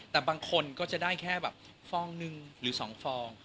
แต่บางคนก็จะได้แค่แบบฟองหนึ่งหรือ๒ฟอง